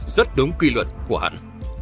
rất đúng quy luật của hắn